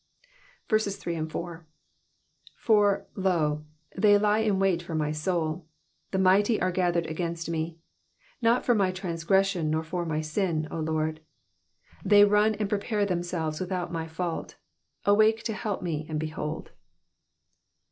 3 For, lo, they lie in wait for my soul : the mighty are gathered against me ; not /or my transgression, nor for my sin, O Lord. 4 They run and prepare themselves without my fault ; awake to help me, and behold.